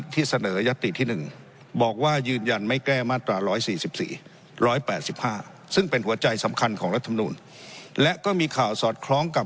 ตา๑๔๔๑๘๕ซึ่งเป็นหัวใจสำคัญของรัฐมนุนและก็มีข่าวสอดคล้องกับ